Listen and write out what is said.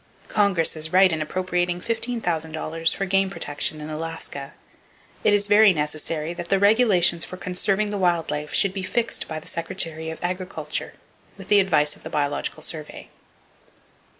Congress is right in appropriating $15,000 for game protection in Alaska. It is very necessary that the regulations for conserving the wild life should be fixed by the Secretary of Agriculture, with the advice of the Biological Survey.